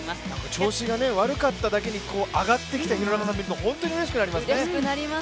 調子が悪かっただけに、上がってきた廣中さんを見ると本当にうれしくなりますね。